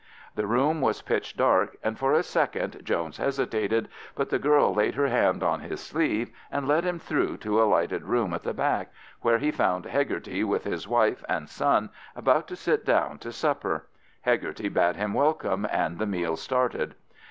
The room was pitch dark, and for a second Jones hesitated; but the girl laid her hand on his sleeve, and led him through to a lighted room at the back, where he found Hegarty with his wife and son about to sit down to supper. Hegarty bade him welcome, and the meal started.